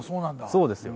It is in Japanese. そうですよ。